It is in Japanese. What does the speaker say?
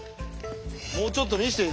もうちょっと見せてよ